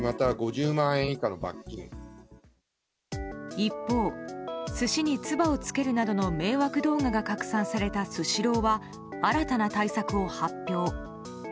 一方、寿司につばをつけるなどの迷惑動画が拡散されたスシローは新たな対策を発表。